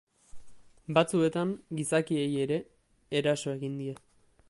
Batzuetan gizakiei ere eraso egin die.